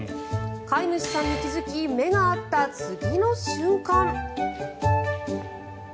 飼い主さんに気付き目が合った次の瞬間。